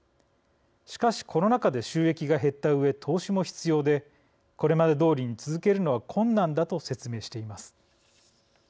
しかしコロナ禍で収益が減ったうえ投資も必要でこれまでどおりに続けるのは困難だと説明しています。